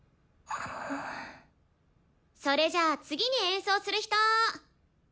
それじゃあ次に演奏する人。